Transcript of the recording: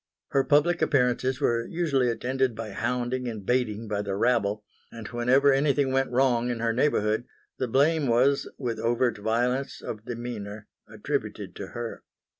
Her public appearances were usually attended by hounding and baiting by the rabble; and whenever anything went wrong in her neighbourhood the blame was, with overt violence of demeanour, attributed to her.